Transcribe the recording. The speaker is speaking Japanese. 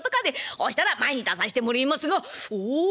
ほしたら前に出させてもれえますがおお。